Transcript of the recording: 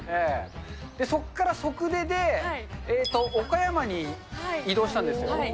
そこから即出で、岡山に移動したんですよ。